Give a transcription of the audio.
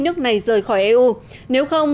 nước này rời khỏi eu nếu không